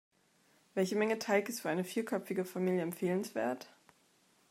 Welche Menge Teig ist für eine vierköpfige Familie empfehlenswert?